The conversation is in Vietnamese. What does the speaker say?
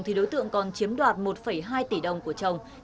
thì đối tượng còn chiếm đoạt một hai tỷ đồng của chồng